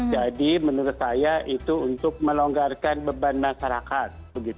jadi menurut saya itu untuk melonggarkan beban masyarakat